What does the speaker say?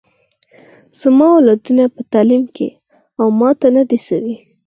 زما اولادونه په تعلیم کي و ماته نه دي سوي